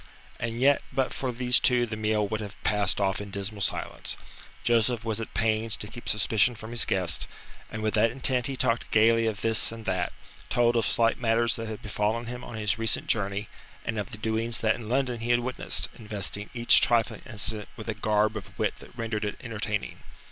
And yet but for these two the meal would have passed off in dismal silence. Joseph was at pains to keep suspicion from his guest, and with that intent he talked gaily of this and that, told of slight matters that had befallen him on his recent journey and of the doings that in London he had witnessed, investing each trifling incident with a garb of wit that rendered it entertaining.